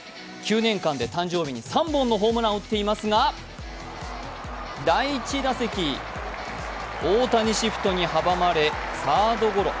９年間で誕生日に３本のホームランを打っていますが第１打席、大谷シフトに阻まれサードゴロ。